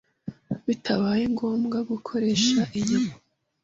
bitabaye ngombwa gukoresha inyama.